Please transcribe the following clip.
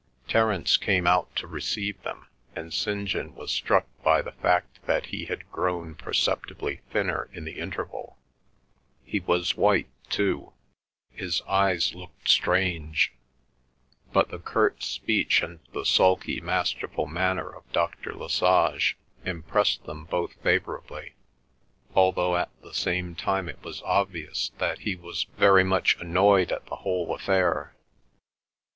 Terence came out to receive them, and St. John was struck by the fact that he had grown perceptibly thinner in the interval; he was white too; his eyes looked strange. But the curt speech and the sulky masterful manner of Dr. Lesage impressed them both favourably, although at the same time it was obvious that he was very much annoyed at the whole affair.